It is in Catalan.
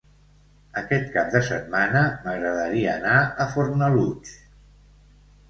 Aquest cap de setmana m'agradaria anar a Fornalutx.